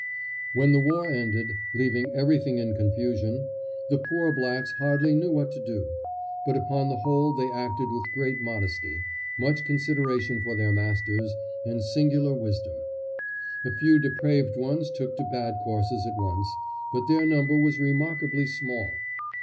When the war ended, leaving everything in confusion, the poor blacks hardly knew what to do, but upon the whole they acted with great modesty, much consideration for their masters, and singular wisdom. A few depraved ones took to bad courses at once, but their number was remarkably small.